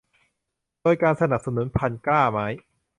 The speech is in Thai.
โดยการสนับสนุน่พันธุ์กล้าไม้